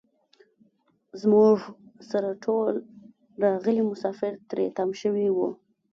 زموږ سره ټول راغلي مسافر تري تم شوي وو.